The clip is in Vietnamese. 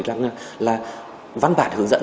rằng là văn bản hướng dẫn